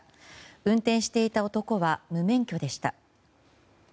運転していた男は無免許でした。